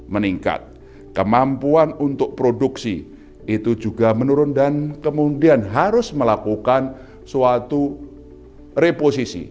meningkat kemampuan untuk produksi itu juga menurun dan kemudian harus melakukan suatu reposisi